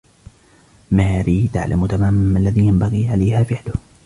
ماري تعلم تماماً ما الذي ينبغي عليها فعله